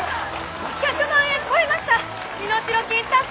「１００万円超えました身代金達成です！」